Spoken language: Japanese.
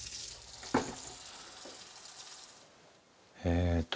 えっと